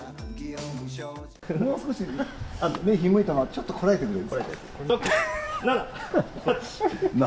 もう少し目をひんむいたまま、ちょっとこらえてくれる？